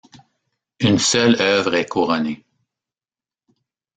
Une seule œuvre est couronnée.